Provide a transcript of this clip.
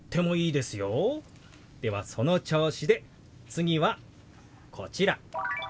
ではその調子で次はこちら。